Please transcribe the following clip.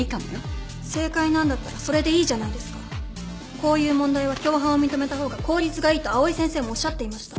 こういう問題は共犯を認めた方が効率がいいと藍井先生もおっしゃっていました。